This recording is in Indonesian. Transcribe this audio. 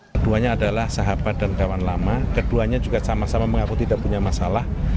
keduanya adalah sahabat dan kawan lama keduanya juga sama sama mengaku tidak punya masalah